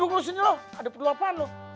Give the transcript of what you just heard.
eh tunggu lo sini loh ada perlu apaan lo